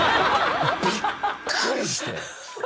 びっくりして。